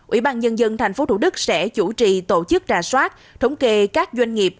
ủy ban nhân dân tp thủ đức sẽ chủ trì tổ chức trà soát thống kê các doanh nghiệp